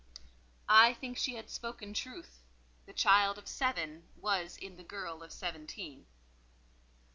I think she had spoken truth: the child of seven was in the girl of seventeen.